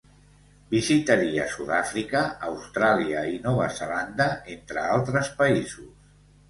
Visitaria Sud-àfrica, Austràlia i Nova Zelanda, entre altres països.